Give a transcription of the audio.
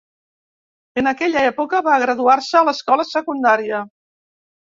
En aquella època va graduar-se a l'escola secundària.